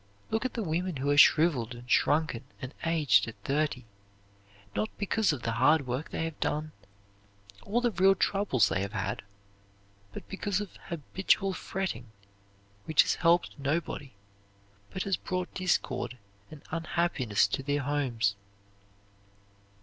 Look at the women who are shriveled and shrunken and aged at thirty, not because of the hard work they have done, or the real troubles they have had, but because of habitual fretting, which has helped nobody, but has brought discord and unhappiness to their homes.